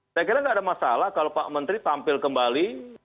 saya kira nggak ada masalah kalau pak menteri tampil kembali